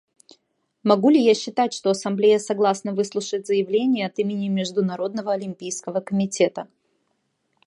Могу ли я считать, что Ассамблея согласна выслушать заявление от имени Международного олимпийского комитета?